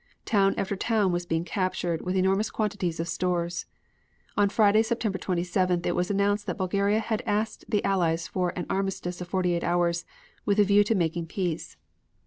Town after town was being captured, with enormous quantities of stores. On Friday, September 27th, it was announced that Bulgaria had asked the Allies for an armistice of forty eight hours, with a view to making peace.